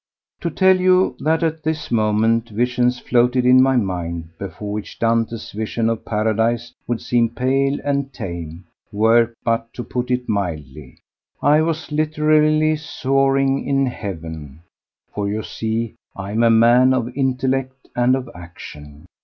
To tell you that at this moment visions floated in my mind, before which Dante's visions of Paradise would seem pale and tame, were but to put it mildly. I was literally soaring in heaven. For you see I am a man of intellect and of action.